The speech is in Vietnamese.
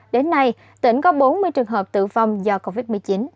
đến nay tỉnh có bốn mươi trường hợp tử vong do covid một mươi chín